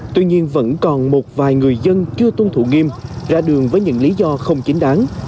tuy nhiên vẫn còn một vài người dân chưa tuân thủ nghiêm ra đường với những lý do không chính đáng